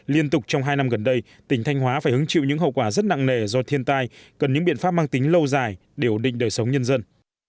liên tục trong hai năm gần đây tỉnh thanh hóa phải hứng chịu những hậu quả rất nặng nề do thiên tai cần những biện pháp mang tính lâu dài để ổn định đời sống nhân dân